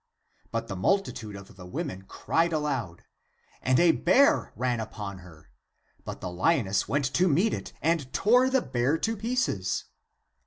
But the multitude of the women cried aloud. And a bear ran upon her; but the lioness went to meet it and tore the bear to pieces.